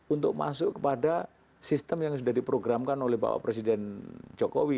untuk masuk kepada sistem yang sudah diprogramkan oleh bapak presiden jokowi